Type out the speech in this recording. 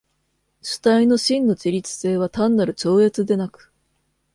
主体の真の自律性は単なる超越でなく、